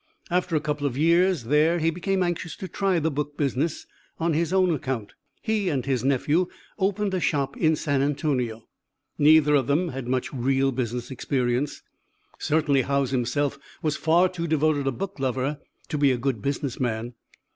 After a couple of years there he became anxious to try the book business on his own account. He and his nephew opened a shop in San Antonio. Neither of them had much real business experience. Certainly Howes himself was far too devoted a book lover to be a good business man!